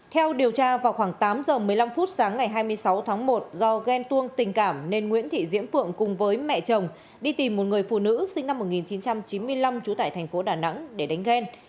theo điều tra vào khoảng tám h một mươi năm phút sáng ngày hai mươi sáu tháng một do ghen tuông tình cảm nên nguyễn thị diễm phượng cùng với mẹ chồng đi tìm một người phụ nữ sinh năm một nghìn chín trăm chín mươi năm trú tại thành phố đà nẵng để đánh ghen